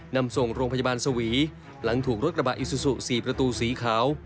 นำส่งโรงพยาบาลสวีหลังถูกรถกระบะอิซูซู๔ประตูสีขาว